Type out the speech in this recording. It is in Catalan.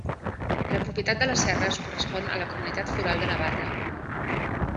La propietat de les serres correspon a la Comunitat Foral de Navarra.